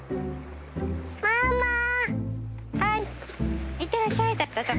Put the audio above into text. はいいってらっしゃい！だった。